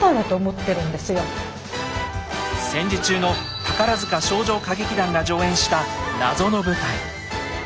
戦時中の宝少女歌劇団が上演した謎の舞台。